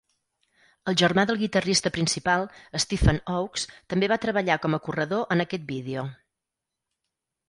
El germà del guitarrista principal, Stephen Oakes, també va treballar com a corredor en aquest vídeo.